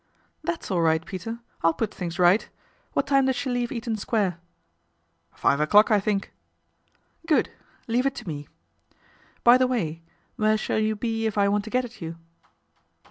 " That's all right, Peter. I'll put things right. What time does she leave Eaton Square ?"" Five o'clock, I think." " Good ! leave it to me. By the way, where shall you be if I want to get at you